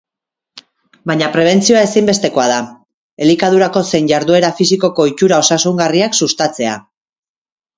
Baina prebentzioa ezinbestekoa da, elikadurako zein jarduera fisikoko ohitura osasungarriak sustatzea.